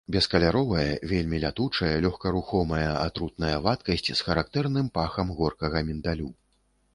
Бескаляровая, вельмі лятучая, лёгкарухомая атрутная вадкасць з характэрным пахам горкага міндалю.